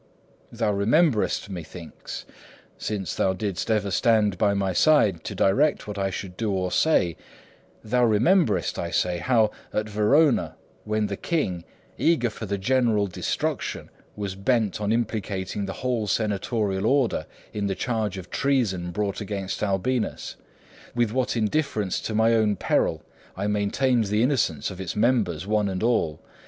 Thou rememberest, methinks since thou didst ever stand by my side to direct what I should do or say thou rememberest, I say, how at Verona, when the king, eager for the general destruction, was bent on implicating the whole senatorial order in the charge of treason brought against Albinus, with what indifference to my own peril I maintained the innocence of its members, one and all.